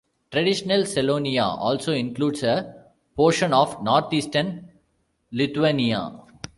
Traditional Selonia also includes a portion of northeastern Lithuania.